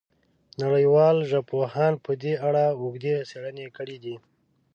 نړیوالو ژبپوهانو په دې اړه اوږدې څېړنې کړې دي.